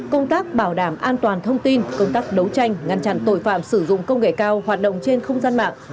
công tác bảo đảm an toàn thông tin công tác đấu tranh ngăn chặn tội phạm sử dụng công nghệ cao hoạt động trên không gian mạng